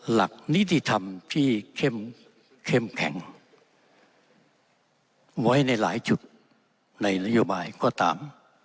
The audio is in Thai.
หลักนิติธรรมที่เข้มแข็งไว้ในหลายจุดในนโยบายก็ตาม